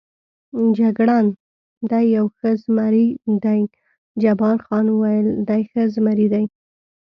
جګړن: دی یو ښه زمري دی، جبار خان وویل: دی ښه زمري دی.